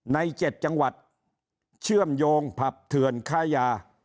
ใน๗จังหวัดเชื่อมโยงผับเถื่อนค้ายา